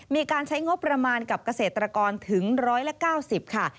มีการใช้งบประมาณกับเกษตรกรถึง๑๙๐ค่ะ